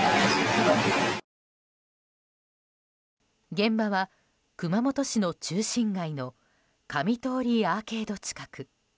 現場は熊本市の中心街の上通アーケード近く。